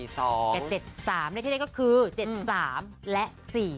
แต่๗๓ในที่เล็กก็คือ๗๓และ๔๒